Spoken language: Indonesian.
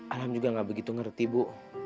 alam juga nggak begitu ngerti bu